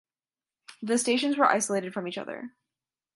The stations were isolated from each other.